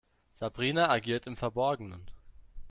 Sabrina agiert im Verborgenen.